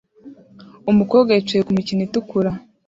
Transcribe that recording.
Umukobwa yicaye kumikino itukura